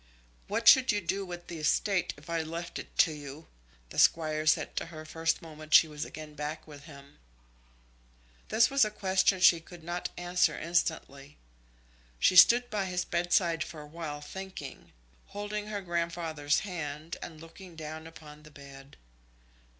"What should you do with the estate if I left it you?" the Squire said to her the first moment she was again back with him. This was a question she could not answer instantly. She stood by his bedside for a while thinking, holding her grandfather's hand and looking down upon the bed.